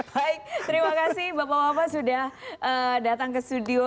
baik terima kasih bapak bapak sudah datang ke studio